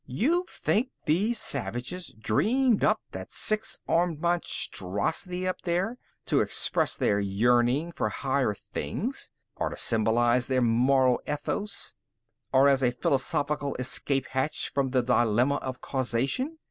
You think these savages dreamed up that six armed monstrosity, up there, to express their yearning for higher things, or to symbolize their moral ethos, or as a philosophical escape hatch from the dilemma of causation?